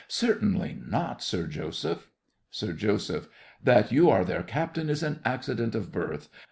Certainly not, Sir Joseph. SIR JOSEPH. That you are their captain is an accident of birth.